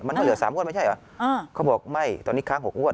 มันก็เหลือสามงวดไม่ใช่เหรออ้าวเขาบอกไม่ตอนนี้ค้างหกงวด